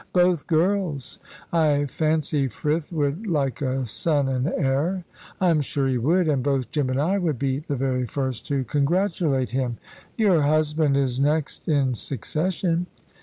"Both girls. I fancy Frith would like a son and heir." "I'm sure he would, and both Jim and I would be the very first to congratulate him." "Your husband is next in succession?"